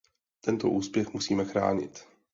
Tento úspěch musíme chránit.